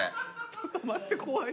ちょっと待って怖い。